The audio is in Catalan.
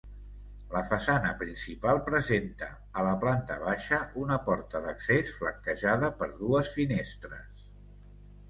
La façana principal presenta, a la planta baixa, una porta d'accés flanquejada per dues finestres.